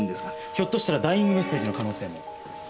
ひょっとしたら「ダイイングメッセージ」の可能性も。